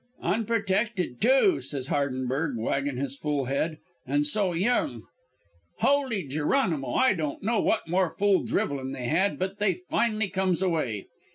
"'Unprotected, too,' says Hardenberg, waggin' his fool head. 'An' so young!' "Holy Geronimo! I don't know what more fool drivelin' they had, but they fin'ly comes away.